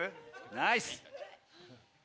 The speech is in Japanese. ナイス！